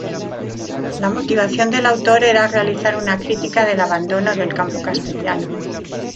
La motivación del autor era realizar una crítica del abandono del campo castellano.